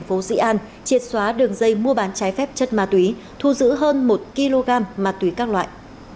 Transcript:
công an tp thuận an đã bắt đầu xóa đường dây mua bán trái phép chất ma túy thu giữ hơn một kg ma túy các loại